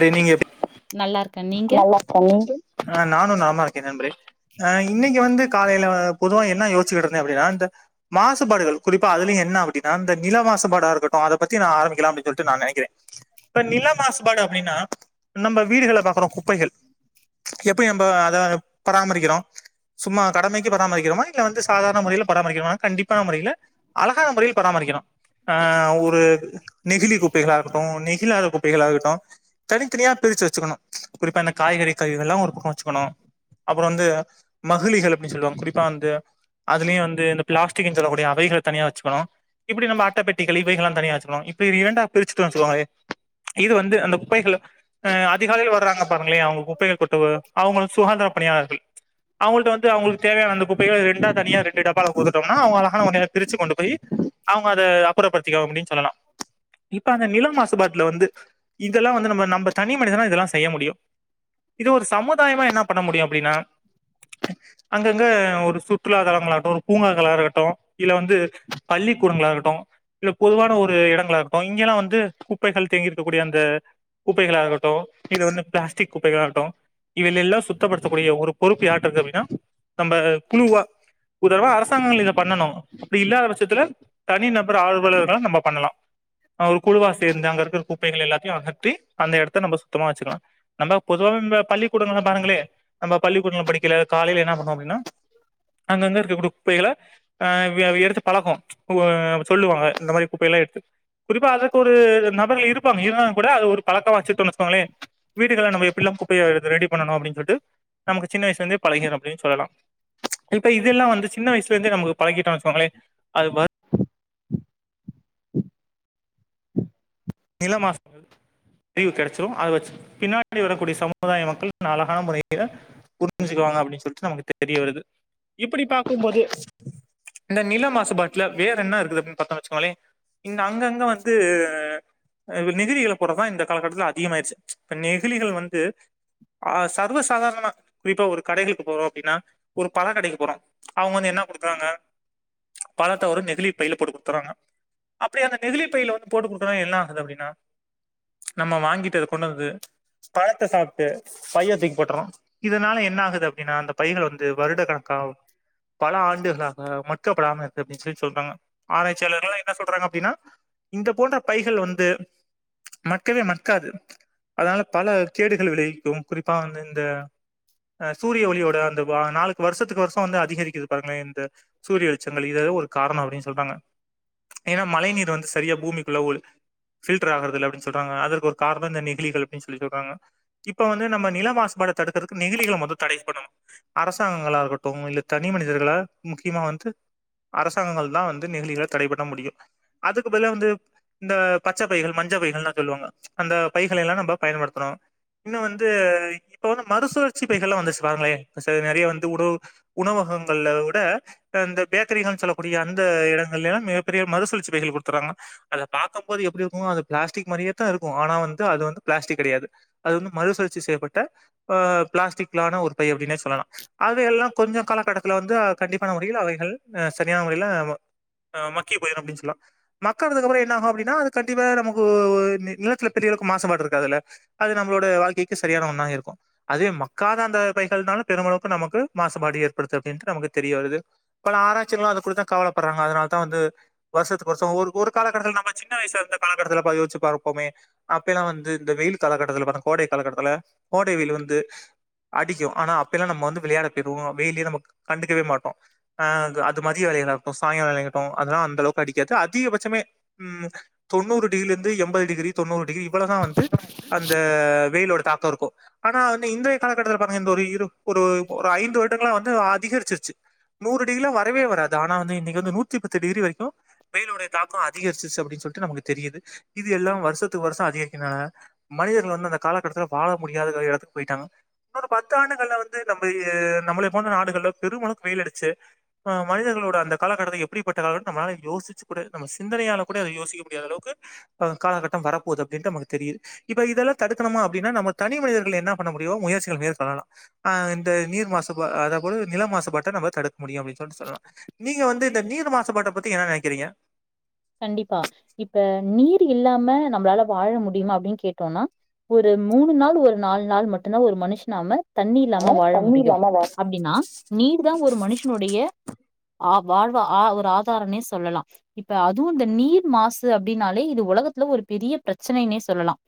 செரிங்க நல்லா இருக்கே நீங்க? நல்லா இருக்கே நீங்க ஆ இன்னைக்கு வந்து காலையில அ பொதுவா என்ன யோச்சுக்குட் இருந்த அப்டின்னா இந்த மாசுபாடுகள் குறிப்பா அதுலயு என்ன அப்டின்னா இந்த நிலவாசபாட இருக்கட்டு அத பத்தி நா ஆரம்பிக்கலா அப்டின்னு சொல்லி நெனைக்கிறே இப்ப நில மாசுபாடு அப்படின்னா நம்ம வீடுகள்ல பாக்குறோ குப்பைகள் எப்டி நம்ப அத பராமரிக்கிறோ சும்மா கடமைக்கு பராமரிக்கிறோமா இல்ல வந்து சாதாரண முறைய பராமரிக்கிறமா கண்டிப்பான முறைல அழகான முறையில் பராமரிக்கணு ஆ ஒரு நெகிழி குப்பைகளாகட்டு நெகிலாத குப்பைகளாகட்டு தனித்தனியா பிரிச்சு வச்சுக்கணு குறிப்பா அந்த காய்கறி கழிவு எல்லா ஒரு பக்கோ வச்சுக்கணு அப்புறோ வந்து மகளிகள் அப்டின் சொல்லுவாங்க குறிப்பா வந்து அதுலயு வந்துட்டு இந்த பிளாஸ்டிக்குன் சொல்லக்கூடிய அவைகள் தனியா வச்சுக்கணு இப்டி நம்ம அட்ட பெட்டிகள் இவைகள்லா தனியா வச்சக்கணு இப்டி இவை ரெண்டா பிரிச்சுக்களா வச்சுக்கோங்களே இது வந்து அந்த குப்பைகள் அ அதிகாலையில் வர்றாங்க பாருங்களே அவங்க குப்பைகள் கொட்டு அவங்களு சுகாதா பணியாளர்கள் அவங்கள்ட வந்து அவங்களுக்கு தேவையான அந்த குப்பைகள் ரெண்டா தனியா ரெண்டு டப்பால கூத்துட்டம்ன அவங்க அழகான வகைல பிரிச்சு கொண்டு போய் அவங்க அத அப்புறப்படுத்திக்கங்க அப்டின்னு சொல்லலா இப்ப அந்த நிலம் மாசுபாட்டுல வந்து இதெல்லா வந்து நம்ம நம்ப தனி மனிதனா இதெல்லா செய்ய முடியு இது ஒரு சமுதாயமா என்ன பண்ண முடியு அப்டின்னா அங்கங்க ஒரு சுற்றுலா தலங்களாகட்டு ஒரு பூங்காகலாகட்டு இல்ல வந்து பள் ளிகூடங்களாகட்டு இல்ல பொதுவான ஒரு இடங்களாகட்டு இங்கெல்லா வந்து குப்பைகள் தேங்கி இருக்கக்கூடிய அந்த குப்பைகளாககட்டு இது வந்து பிளாஸ்டிக் குப்பைகளாகட்டு இவைல் எல்லா சுத்தப்படுத்தக் கூடிய ஒரு பொறுப்பு யா ருக்கு அப்டின்னா நம்ம குழுவா ஒரு தடவ அரசாங்கங்கள் இத பண்ணணு அப்டி இல்லாத பட்சத்துல தனி நபர் ஆர்வலர்களா நம்ம பண்லா அ ஒரு குழுவா சேர்ந்து அங்க இருக்குற குப்பைகள் எல்லாத்தையு அகற்றி அந்த எடத்த நம்ம சுத்தமா வெச்சுக்கலா நம்ம பொதுவா நம்ப பள்ளிக்கூடங்கள்ல பாருங்களே நம்ம பள்ளிக்கூடங்கள் படிக்கைல காலையில என்ன பண்ணுவோ அப்டின்னா அங்க அங்க இருக்கக்கூடிய குப்பைகள ஆ எ எடுத்து பழக்கொ ம் சொல்லுவாங்க இந்த மாரி குப்பைக ள எடுத்து குறிப்பா அதற்க்கு ஒரு நபர் இருப்பாங்க இருந்தாளு கூட அது ஒரு பழக்கா வச்சுக்குட்டோன் வச்சுக்கோங்களே வீட்டுகள்ல நம்ம எப்டிலா குப்பைய இது ரெடி பண்ணணு அப்டின் சொல்ட்டு நமக்கு சின்ன வயசுலேந்தே பழகிரு அப்டின்னு சொல்லலா இப்ப இதெல்லா வந்து சின்ன வயசுல இருந்தே நமக்கு பழகிட்டோ வச்சோங்களே அது போ நில மாச் அறிவு கெடைச்சிடு அத வச்சு பின்னாடி வரக்கூடிய சமுதாய மக்கள் அழகான முறையில புரிஞ்சுகுவாங் அப்டின்னு சொல்லிட்டு நமக்கு தெரிய வருது இப்டி பார்க்கும்போது இந்த நில மாசுபாட்டுல வேற என்ன இருக்குது அப்டின்னு பாத்தம் வச்சுகோங்களே இங்க அங்கங்க வந்து நெகிழிகள்போட தான் இந்த காலகட்டத்துல அதிகமாயிடுச்சு ச் இப்ப நெகிழிகள் வந்து ஆ சர்வசாதாரணமா குறிப்பா ஒரு கடைகளுக்கு போவோம் அப்டின்னா ஒரு பழ கடைக்கு போறோம் அவங்க வந்து என்னா குடுக்குறாங்க பழத்த ஒரு நெகிழி பையில போட்டு குடுத்தறாங்க அப்டி அந்த நெகிழி பையில வந்து போட்டு குடுக்குறா என்னா து அப்டின்னா நம்ம வாங்கிட்டு அதை கொண்டு வந்து பழத்த சாப்டு பைய தூக்கி போட்டுறோம் இதனால என்னாகுது அப்டின்னா அந்த பைகள் வந்து வருட கணக்கா பல ஆண்டுகளாக மட்கப்படாம இருக்கு அப்டின்னு சொல்லி சொல்றாங்க ஆராச்சியாலர்கள்லாம் என்ன சொல்றாங்க அப்டின்னா இந்த போன்ற பைகள் வந்து மக்கவே மக்காது அதனால பல கேடுகள் விளைவிக்கும் குறிப்பா வந்து இந்த ஆங் சூரிய ஒலியோட அந்த வா நாலு வருஷத்துக்கு வருஷம் வந்து அதிகரிக்குது பாருங்களேன் இந்த சூரிய வெளிச்சங்கள் இத ஒரு காரணம் அப்டின்னு சொல்றாங்க ஏன்னா மழை நீர் வந்து சரியா பூமிக்குள்ள ஊறல் பில்டர் ஆகுறதுல அப்டின்னு சொல்றாங்க அதற்கு ஒரு காரணம் இந்த நிகழிகள் அப்டின்னு சொல்லி சொல்றாங்க இப்ப வந்து நம்ம நில மாசுபாட தடுக்கிறதுக்கு நெகிழிகளை மொத தடை பண்ணனும் அரசாங்கங்களா இருக்கட்டும் இல்ல தனி மனிதர்களா முக்கியமா வந்து அரசாங்கங்கள் தான் வந்து நெகிழிகளை தடைபண்ண முடியும் அதுக்கு பதிலா வந்து இந்தப் பச்ச பைகள் மஞ்ச பைகள்ல்லா சொல்லுவாங்க அந்த பைகளை எல்லாம் நம்ம பயன்படுத்துணோம் இன்னும் வந்து இப்ப வந்து மறுசுழற்சி பைகள் எல்லாம் வந்துச்சு பாருங்களேன் இப்ப ச நெறைய வந்து உணவு உணவுக ங்கள்ள விட இந்தந்த பேக்கரிகள் சொல்லக்கூடிய அந்த இடங்கலெல்லாம் மிகப்பெரிய மறுசுழற்சி பைகள் குடுத்தறாங்க அத பாக்க போ து எப்டி இருக்கும் அது பிளாஸ்டிக் மாரியே தான் இருக்கும் ஆனா வந்து அது வந்து பிளாஸ்டிக் கிடையாது அது வந்து மறுசுழற்சி செய்யப்பட்ட ஆங் பிளாஸ்டிக்கான ஒரு பை அப்டினு சொல்லலாம் அவ எல்லாம் கொஞ்சம் காலகட்டத்தில் வந்து கண்டிப்பா வகைகள் சரியான முறையில் ஆங் மக்கி போயிடும் அப்டின்னு சொல்லாம் மக்கானதுகு அப்றம் என்னாகும் அப்டின்னு னா அது கண்டிப்பா நமக்கு ஆங் நிலத்தில பெரியளவு மாசபாடு இருக்கதுல்ல அது நம்மோட வாழ்க்கைக்கு சரியான ஒன்னா இருக்கும் அதவே மக்காத அந்த பைகள்னால பெருமளவுக்கு நமக்கு மாசுபாடு ஏற்படுது அப்டின்ட்டு நமக்கு தெரிய வருது பல ஆராச்சிங்களும் அத குடுத்தத்தான் கவலப்படுறாங்க அதனால தான் வந்து வருஷத்துக்கு வருஷம் ஒரு ஒரு காலகட்டத்தில் நம்ம சின்ன வயசு இருந்த காலகட்டத்துல ப யோசிச்சு பாப்பேமே அப்ப எல்லாம் வநது இந்த வெயில் காலக்கட்டத்துல கோடை காலகட்டத்துல கோடை வெயிலு வந்து அடிக்கும் ஆனா அப்ப எல்லாம் நம்ம வந்து விளையாட போய்ருவோம் வெயிலே நம்ம கண்டுக்கவே மாட்டோம் ஆங் அது அது மதிய வெயிலாட்டும் சாயங்காலம் ளயாட்டும் அதெல்லாம் அந்த அளவுக்கு அடிக்காது அதிகபட்சமே ம் தொண்ணூறு டிகிரில இருந்து எண்பது டிகிரி தொண்ணூறு டிகிரி இவ்ளதான் வந்து அந்த வெயிலோட தாக் கோ இருக்கும் ஆனா வந்து இன்றைய காலகட்டத்தில பாருங்க இந்த இரு ஒரு ஐந்து வருடங்களா வந்து அதிகரிச்சிருச்சு நூறு டிகிரிலாம் வரவே வராது ஆனா வந்து இன்னைக்கு வந்து நூத்தி பத்து டிகிரி வரைக்கும் வெயிலோட தாக்கம் அதி அதிகரிச்சு அப்டின்னு சொல்ட்டு நமக்கு தெரியுது இது எல்லாம் வருத்துக்கு வருஷம் அதிகரிக்கால மனிதர்கள் வந்து அந்த காலகட்ட துல வாழ முடியாத தது இடத்துக்கு போயிட்டாங்க இன்னொரு பத்து ஆண்டுகள்ல வந்து நம்ம ஆங் நம்மள போன்ற நாடுகள்ல பெருமளவுக்கு வெயில் அடிச்சு ஆங் மனிதர்கள் லோட அந்த காலகட்டத்தை எப்டிப்பட்ட காலம் நம்மளாள யோசிச்சு கூட நம்ம ச் சிந்தனையால கூட அத யோசிக்க முடியாத அளவுக்கு ம் காலகட்டம் வரப்போது அப்டின்டு நமக்கு தெரியுது இப்ப இதெல்லாம் தடுக்கணுமா அப்டின்னா நம்ம தனி மனிதர்கள் என்ன பண்ண முடியும் முயற்சிகள் மேற்கொள்ளலாம் ஆங் இந்த நீர் மாசு பா ஆ பொது நில மாசுபாட்ட நம்ம தடுக்க முடியும்னு அப்டின்னு சொல்லிட்டு சொல்லாம் நீங்க வந்து இந்த நீர் மாசுபாட்டை பத்தி என்ன நினைக்கிறீங்க கண்டிப்பா இப்ப நீர் இல்லாம நம்பளால வாழ முடியுமா அப்டின்னு கேட்டோம்னா ஒரு மூணு நாள் ஒரு நாலு நாள் மட்டும்தான் ஒரு மனுஷனாம தண்ணி இல்லாம அ வாழ தண்ணி முடியும் இல்லாம பிளாஸ்டிக் அப்டின்னா நீர் தான் ஒரு மனுஷனுடைய ஆ வாழ்வ ஆ ஒரு ஆதாரனே சொல்லலாம் இப் ப அதுவும் இந்த நீர் மாசு அப்படின்னாலே இது உலகத்துல ஒரு பெரிய பிரச்சனைனே சொல்லலாம்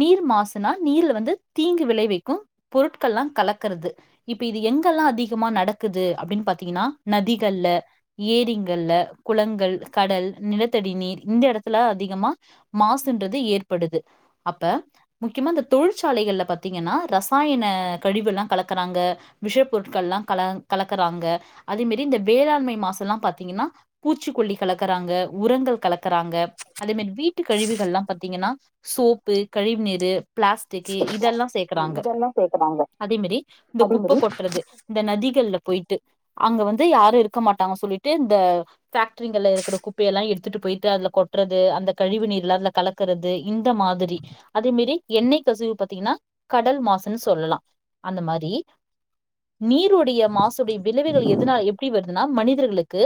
நீர் மாசுனா நீர்ல வந்து தீங்கு விளை விக்கும் பொருட்கள்ல்லாம் கலக்கறது இப்ப இது எங்கெல்லாம் அதிகமா நடக்குது அப்டின்னு பாத்தீங்கன்னா நதிகள்ல ஏரிங்கள்ல குளங்கள் கடல் நிலத்தடி நீர் இந்த இடத்துல அதிகமா மாசுன்றது ஏற்படுது அப்ப முக்கியமா இந்த தொழிற்சாலைகள்ல பாத்தீங்கன்னா ரசாயன கழிவுல்லா கலக்கறாங்க விஷப்பொருட் கள் எல்லா கல கலக்கறாங்க அதேமாரி இந்த வேளாண்மை மாசு எல்லாம் பாரத்தீங்கன்னா பூச்சிக்கொல்லி கலக்கறாங்க உரங்கள் கலக்கறாங்க அதே மாதி வீட்டு கழிவுகள் எல்லாம் பாத்தீங்கன்னா சோப்பு கழிவுநீரு பிளாஸ்டிக் இதெல்லாம் சேக்கறாங்க இதெல்லாம் சேக்குறாங்க. அதே மேரி இந்த அதே குப்ப மாரி கொட்டுறது இந்த நதிகள்ல போயி ட்டு அங்க வந்து யாரும் இருக்க மாட்டாங்க சொல்லிட்டு இந்த ஃபேக் ஃபேக்டரிகள்ள இருக்கிற குப்பையெல்லாம் எடுத்துட்டு போயிட்டு அதுல கொட்டுறது அந்த கழிவு நீீர்ல அது கலக்கறது இந்த மாதிரி அதே மேரி எண்ணெய் கசிவு பாத்தீங்கன்னா கடல் மாசுன்னு சொல்லலாம் அந்த மாதிரி நீருடைய மாசுடைய விளைவுகள் எதனால் எப்படி வருதுனா மனிதர்களுக்கு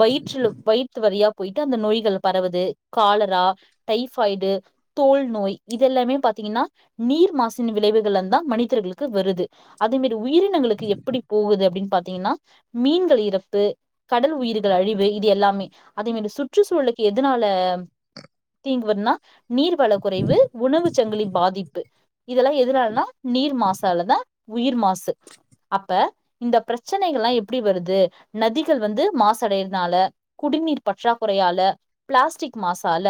வயிற் றுல‌ வயித்து வழியா போயிட்டு அந்த நோய்கள் பரவுது காலரா டைபாய்டு தோல் நோய் இதேல்லாமே பாத்தீங்கன்னா நீர் மாசின் விளைவுகள் தா மனிதர்களுக்கு வருது அதுமாரி உயிரினங்களுக்கு எப்படி போகுது அப்படின்னு பாத்தீங்கன்னா மீன்கள் இறப்பு கடல் உயிர்கள் அழிவு இது எல்லாமே அதேமேரி சுற்றுச்சூழலுக்கு எதனால தீங்குவதுனா நீர்வள குறைவு உணவு சங்கிலி பாதிப்பு இதெல்லாம் எதனாலனா நீர் மாசாலதா உயிர் மாசு அப்ப இந்த பிரச்சனைகள்லா எப்படி வருது நதிகள் வந்து மாசடையதுனால குடிநீர் பற்றாக்குறையால பிளாஸ்டிக் மாசால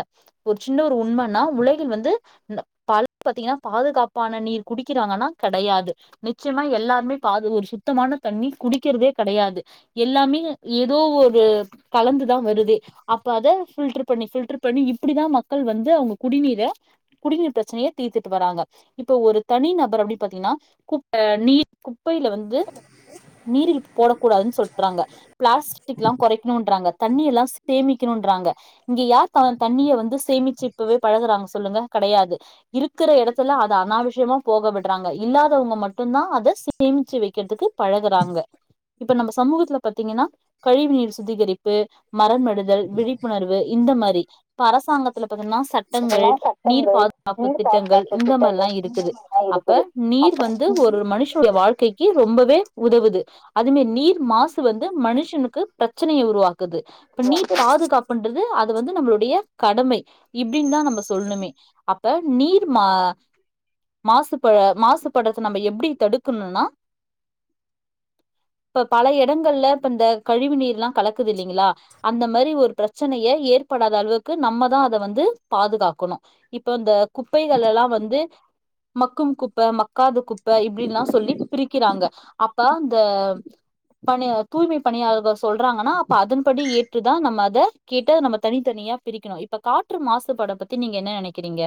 ஒரு சின்ன ஒரு உண்மன்னா உலகில் வந் து இந்த பல பாத்தீங்கன்னா பாதுகாப்பான நீர் குடிக்கிறாங்கன்னா கிடையாது நிச்சயமா எல்லாரு மே பா ஒரு சுத்தமான தண்ணி குடிக்கிறதே கிடையாது எல்லாமே ஏதோ ஒரு கலந்துதா வருது அப்ப அதை ஃபில்டர் பண்ணி பில்டர் பண்ணி இப்டிதா மக்கள் வந்து அவங்க குடிநீர குடிநீர் பிரச்சனையை தீர்த்துட்டு வராங்க இப்போ ஒரு தனி நபர் அப்படின்னு பாத்தீங்கன்னா குப்ப நீர் குப் பைல வந்து நீரில் போடக்கூடாதுன்னு சொல்றாங்க பிளாஸ்டிக் எல்லா குறைக்கணு கொறைக்கனுன்றாங்க இங்க யார் தண்ணிய வந்து சேமிச்சு இப்பவே பழகுறாங்க சொல்லுங்க கிடையாது இருக் ற இடத்துல அது அனாவசியமா போகவிடுறாங்க இல்லாதவங்க மட்டும் தான் அதை சேமிச்சு வைக்கிறதுக்கு பழ குறாங்க இப்ப நம்ம சமூகத்தில் பாத்தீங்கன்னா கழிவு நீர் சுத்திகரிப்பு து மரம்மெடுதல் விழிப்புணர்வு இந்த மாரி அரசாங்கத்துல பாத்தீங்கன்னா சட்டங்கள் இதெல்லாம் நீர் சட்டங்கள், பாதுகாப்பு நீர் திட்டங்கள் பாதுகாப்பு இந்த மாரிலா திட்டங்கள் இந்த இருக்குது மாரிலாம் அப்ப இருக்குது. நீர் வந்து அப்ப ஒரு மனுஷனுட வாழ்க்கைக்கு ரொம்பவே உதவுது அதுமாரி நீர் மாசு வந்து மனுஷனுக்கு பிரச்சனையை உருவாக் து இப்ப நீர் பாதுகாப்புன்றது அது வந்து நம்மளுடைய கடமை இப்படின்னு தா நம்ம சொல்லணுமே அப்ப நீர் மா மாசுப மாசுபடத்த நம்ம எப்டி தடுக்கணும்னா இப்ப பல இடங்கள்ல இப்ப இந்த கழிவு நீர் எல்லா கல க்து இல்லைங்களா அந்த மாதிரி ஒரு பிரச்சனையை ஏற்படாத அளவுக்கு நம்ம தான் அதை வந்து பாதுகாக்கணும் இப்போ இந்த குப்பைகள் எல்லா வந்து மக்கும் குப்ப மக்காத குப்ப இப்படில்லாம் சொல்லி பிரிக்கிறாங்க அப்ப அந்த பணி தூய்மை பணியாளர்கள் சொல்றாங்கன்னா அதன்படி ஏற்றுதா நம்ம அதை கேட்ட நம்ம தனித்தனியா பிரிக்கணும் இப்ப காற்று மாசுபட பத்தி நீங்க என்ன நனைக்கிறீங்க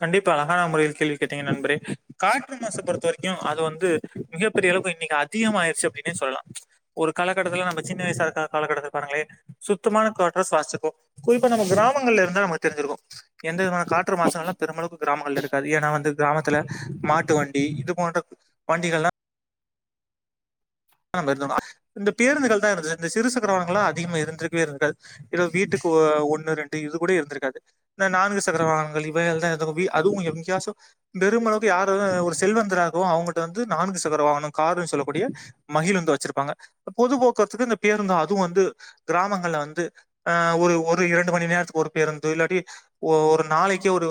கண்டிப்பா அழகான முறையில் கேள்வி கேட்டீங்க நண்பரே காற்று மாச பொறுத்த வரைக்கு அது வந்து மிகப்பெரிய இன்னைக்கு அதிகமயிருச்சு அப்படின்னு சொல்லலாம் ஒரு காலகட்டத்தில் நம்ம சின்ன வயசான காலகட்டத்த பாருங்களே சுத்தமான காற்ற சுவாசிப்போ குறிப்பா நம்ம கிராமங்களில் இருந்தா நமக்கு தெரிஞ்சிருக்கு எந்த விதமான காற்ற பெருமளவு கிராமங்கள் இருக்காது ஏன்னா வந்து கிராம ல மாட்டு வண்டி இது போன்ற வண்டிகள்லா நம்ம இருந்தம் இந்த பேருந்துகள் தான் இருந்துச்ச இந்த இரு சக்கரவங்கள்லாம் அதிகமா இருந்திருககவே இருந்துருக்காது ஏதே வீட்டுக்கு ஒ ஒன்னு ரெண்டு இது கூட இருந்திருக்காது இ நானு சக்கரவாகனங்கள் இவைகள் எல்லா எதுவுவே அதுவும் எங்கயாச்சும் பெருமளவுக்கு யாராவ ஒரு செல்வந்தராகோ அவங்க்டிட்ட வந்து நான்கு சக்கர வாகணும் காருன்னு சொல்லக்கூடிய மகிழுந்து வச்சிருப்பாங்க பொதுபோக்குத்துக்கு இந்த பேருந்து அதுவும் வந்து கிராமங்கள்ல வந்து அ ஒரு ரு ஒரு இரண்டு மணி நேரத்துக்கு ஒரு பேருந்து இல்லாட்டி ஒரு நாளைக்கு ஒரு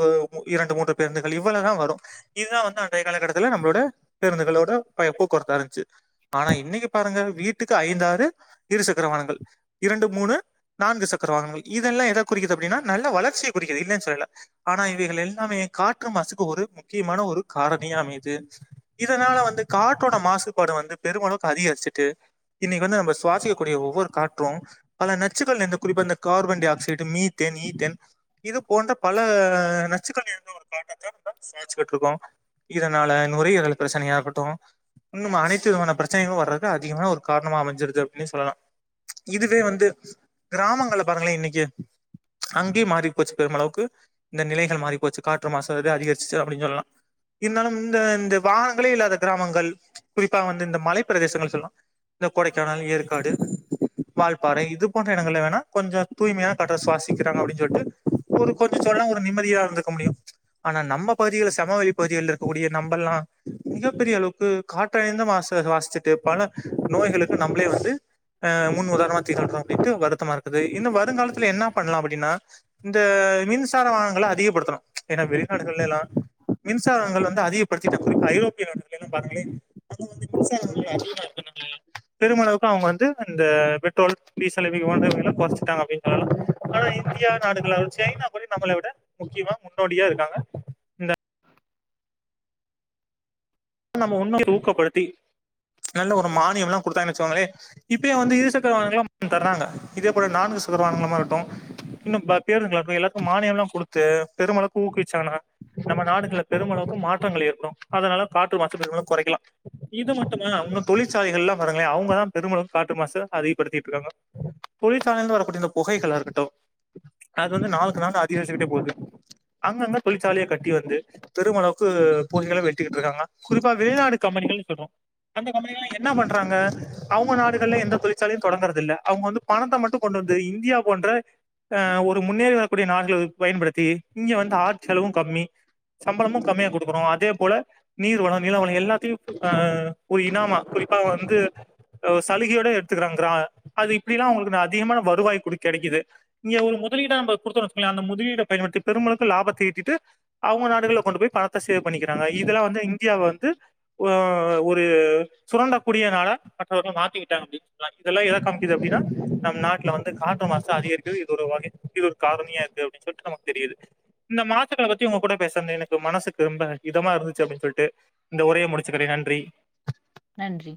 இரண்டு மூன்று பேருந்துகள் இவ தான் வரும் இதுதான் வந்து அன்றைய காலகட்டத்துல நம்மளோட பேருந்துகளோட போக்குவரத்தா இருந்துச்சு ஆனா இன்னைக்கு பாருங்க வீட்டுக்கு ஐந்தாறு இரு சக்கரவாகனங்கள் இரண்டு மூணு நான்கு சக்கரவாகங்கள் இதெல்லாம் எதை குறிக்குது அப்படின்னா நல்ல வளர்ச்சியை குறிக்குது இல்லன்னு சொல்லல ஆனா இவைகள் எல்லாமே காற்று மாசுக்கு ஒரு முக்கியமான ஒரு காரணிய அமைது இதனால வந்து காற்றோட மாசுபாடு வந்து பெருமளவுக்கு அதிகரிச்சிட்டு இன்னைக்கு வந்து நம்ம சுவாசிக்கக்கூடிய ஒவ்வொரு காற்றும் பல நச்சுகள் நிறந்த குறிப்ப இந்த carbon dioxide methane இது போன்ற பல நச்சுக்கள் நிறைந்த ஒரு காற்றத்தா நம்ம சுவாச்சுக்கிட்டு இருக்கோம் இதனால நுரையிரல் பிரச்சனையா இருக்கட்டும் இன்னும அனைத்து விதமான பிரச்சனைகள் வர்றது அதிகமான ஒரு காரணமா அமைஞ்சிருது அப்படின்னே சொல்லலாம் இதுவே வந்து கிராமங்கள்ல பாருங்களேன் இன்னைக்கு அங்கேயும் மாறி போச்சு பெரு அளவுக்கு இந்த நிலைகள் மாறி போச்சு காற்று மாசு எ அதிகரிச்சிச்சு அப்படின்னு சொல்லலாம் இருந்தாலும் இந்த இந்த வாகனங்களே இல்லாத கிராமங்கள் குறிப்பா வந்து இந்த மலைப்ப பிரதேசங்கள் சொல்லாம் இந்த கொடைக்கானல் ஏற்காடு வாழ்பாறை இது போன்ற இடங்கள வேணா கொஞ்சம் தூய்மையான கட்டு சுவாசிக்கிறாங்க அப்படின்னு சொல்லிட்டு ஒரு கொஞ்சம் சொன்னா ஒரு நிம்மதியா இருந்துக்க முடியும் ஆனா நம்ம பகுதிகல்ல சமவெளி பகுதிகள்ள இருக்கக்கூடிய நம்பல்லாம் மிகப்பெரிய அளவுக்கு காற்றடைந்த மாசு சுவாசிச்சுட்டுப் பல நோய்களுக்கு நம்மளே வந்து அஹ் முன் உதாரணமா திகழ்றோம் அப்டின்ட்டு வருத்தமா இருக்குது இன்னும் வருங்காலத்துல என்ன பண்ணலாம் அப்டின்னா இந்த மின்சார வங்கங்களை அதிகப்படுத்தணும் ஏன்னா வெளிநாடுகள் எல்லாம் மின்சாரங்கள் வந்து அதிகப்படுத்திட்டு குறிப்பா ஐரோப்பிய நாடுகள் பாருங்களே அங்க வந்து மின்சாங்கள் அதிமாருக்கனுங்களா பெருமளவுக்கு அவுங்க வந்து இந்த பெட்ரோல் டீசல் இதுபோன்ற விலை குறைச்சிட்டாங்க அப்டின்ற அளவுக் இந்தியா நாடுகள சைனா கூட நம்மளை விட முக்கியமா முன்னோடியா இருக்காங்க இந்த நம்ம உன்னு ஊக்கப்படுத்தி நல்ல ஒரு மானியம் எல்லாம் கொடுத்தாங்க வெச்சாங்களே இப்ப வந்து இருசக்கரவாகனங்கல்லா தர்றாங்க இதே போல நான்கு சுகரமானான இருட்டும் இன்னும் பேரு எல்லாருக்கும் மானியம்ல்லாம் கொடுத்து பெருமளவு ஊக்குவிச்சாங்கன்னா நம்ம நாடுகள்ல பெருமளவுக்கு மாற்றங்கள் ஏற்பணும் அதனால காற்று மாசு பெருமளவு குறைக்கலாம் இது மட்டுமா உன்னும் தொழிற்சாலைகள் எல்லாம் பாருங்களேன் அவங்க தான் பெருமளவுத்கு காற்று மாசு அதிகப்படுத்திட்டு இருக்காங்க தொழிற்சாலைலந்து வரக்கூடிய இந்த புகைகளா இருக்கட்டும் அது வந்து நாளுக்கு நாள் அதி கறிச்சிட்டே போகுது அங்கங்க தொழிற்சாலைய கட்டி வந்து பெருமளவுக்கு பூசைகளை வெட்டிக்கிட்டு இருக்காங்க குறிப்பா வெளிநாடு கம்பெனிகள்னு சொல்றோம் அந்த கம்பெனி என்ன பண்றாங்க அவங்க நாடுகள்ல எந்த தொழிற்சாலையும் தொடங்கறதில்ல அவங்க வந்து பணத்தை மட்டும் கொண்டு வந்து இந்தியா போன்ற அஹ் ஒரு முன்னேறி வரக்கூடிய நாடுகளா பயன்படுத்தி இங்க வந்து ஆட் செலவும் கம்மி சம்பளமும் கம்மியா குடுக்கணும் அதே போல நீர்வளம் நிலவளம் எல்லாத்தையும் அஹ் ஒரு இனாமா குறிப்பா வந்து சலுகையோட எடுத்துக்கிறாங்கிறா அது இப்டி எல்லாம் உங்களுக்கு அதிகமான வருவாய் குடு கிடைக்குது இங்க ஒ மு முதலீட நம்ம கொடுத்தோனு வச்சுகோங்களே முதலிடு பயன்படுத்தி பெருமளவுக்கு லாபத்த ஈட்டிட்டு அவங்க நாடுகள்ல கொண்டு போய் பணத்த சேவ் பண்ணிக்கிறாங்க இதெல்லா வந்து இங் இந்தியாவை வந்து ஒரு சுரண்டக்கூடிய நாட மற்றவர்கள் மாத்திக்கிட்டாங்கப்பின்னு சொ இதெல்லாம் எதை காமிக்குது அப்படனா நம் நாட்டுல வந்து காற்று மாசம் அதிகரிக்கும் இது ஒரு வகை இது ஒரு காரணியா இருக்கு அப்படின்னு சொல்லிட்டு நமக்கு தெரியுது இந்த மாசுக்களை பத்தி உங்க கூட பேச எனக்கு மனசுக்கு ரொம்ப இதமா இருந்துச்ச அப்டின்னு சொல்லிட்டு இந்த உரையை முடிச்சுக்கிறேன் நன்றி நன்றி